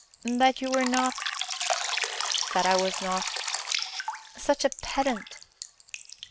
"That you were not " "That I was not?" "Such a pedant!"